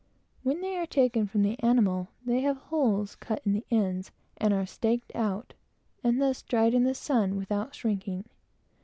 When they are taken from the animal, they have holes cut in the ends, and are staked out, and thus dried in the sun without shrinking.